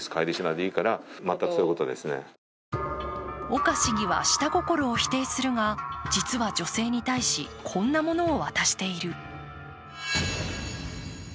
岡市議は下心を否定するが、実は女性に対し、こんなものを渡している。